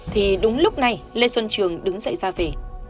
thì đúng lúc này lê xuân trường đứng dậy ra về